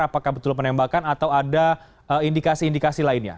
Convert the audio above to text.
apakah betul penembakan atau ada indikasi indikasi lainnya